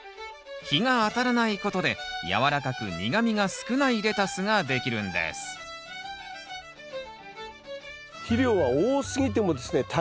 日が当たらないことで軟らかく苦みが少ないレタスができるんです肥料は多すぎてもですね